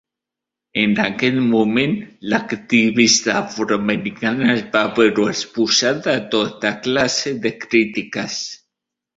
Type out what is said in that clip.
En aquest moment, l'activista afroamericana es va veure exposada a tota classe de crítiques.